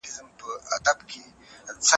ولي ځیني خلګ د ښه ژوند لپاره یوازي بخت ته ګوري؟